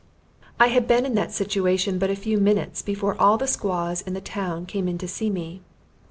I had been in that situation but a few minutes before all the Squaws in the town came in to see me.